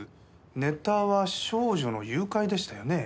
ネタは少女の誘拐でしたよね？